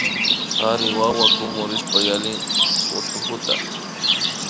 Kari wawa kumurishpa yalin hutkuta